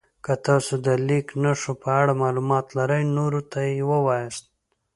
که تاسو د لیک نښو په اړه معلومات لرئ نورو ته یې ووایاست.